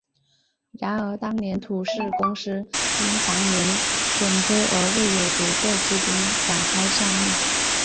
然而当年土发公司因长年亏损而未有足够资金展开项目。